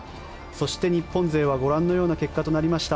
そして、日本勢はご覧のような結果となりました。